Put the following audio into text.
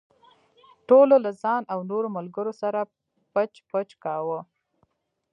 ټولو له ځان او نورو ملګرو سره پچ پچ کاوه.